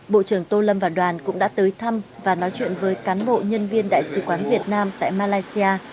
bộ trưởng tô lâm và đoàn cũng đã tới thăm và nói chuyện với cán bộ nhân viên đại sứ quán việt nam tại malaysia